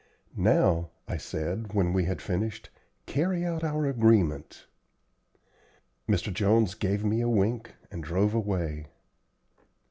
"Now," I said, when we had finished, "carry out our agreement." Mr. Jones gave me a wink and drove away.